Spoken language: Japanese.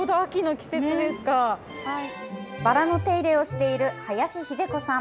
バラの手入れをしている林英子さん。